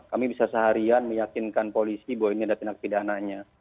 kami bisa seharian meyakinkan polisi bahwa ini ada tindak pidananya